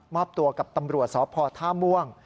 อบตัวกับตำรวจสพท่าม่วง